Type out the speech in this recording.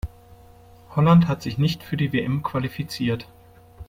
Holland hat sich nicht für die WM qualifiziert.